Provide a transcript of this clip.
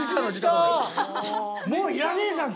もういらねえじゃん